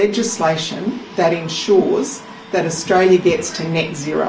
legislasi yang memastikan australia mendatangi net zero